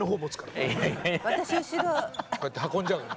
こうやって運んじゃうね。